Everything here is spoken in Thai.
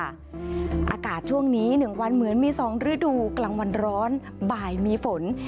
อากาศช่วงนี้๑วันเหมือนมี๒ฤดูกลางวันร้อนบ่ายมีฝน